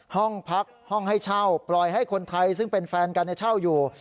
ห้องพักห้องให้เช่าปล่อยให้คนไทยซึ่งเป็นแฟนกันเช่าอยู่